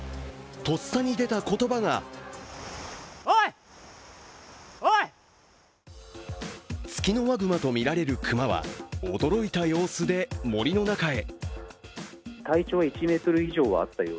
とっさに出た言葉がツキノワグマとみられる熊は驚いた様子で森の中へ。